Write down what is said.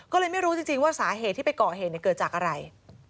ก็เลยไม่รู้จริงว่าสาเหตุที่ไปก่อเหตุเกิดจากอะไร